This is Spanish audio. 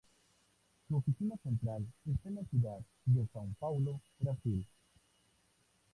Su oficina central está en la ciudad de Sao Paulo, Brasil.